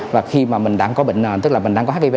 và khi mà mình đang có bệnh tức là mình đang có hiv